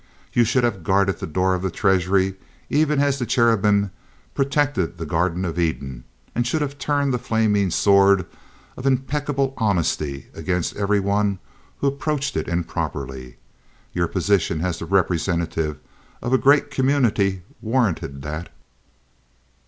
You should have guarded the door of the treasury even as the cherubim protected the Garden of Eden, and should have turned the flaming sword of impeccable honesty against every one who approached it improperly. Your position as the representative of a great community warranted that.